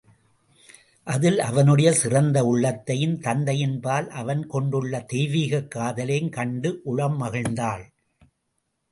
அதில் அவனுடைய சிறந்த உள்ளத்தையும், தத்தையின்பால் அவன் கொண்டுள்ள தெய்வீகக் காதலையும் கண்டு உளம் மகிழ்ந்தாள்.